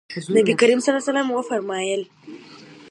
نبي کریم صلی الله علیه وسلم فرمایلي: